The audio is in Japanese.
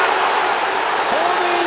ホームイン！